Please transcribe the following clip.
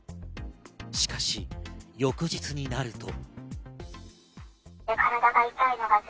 しかし翌日になると。